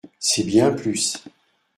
C’est bien plus.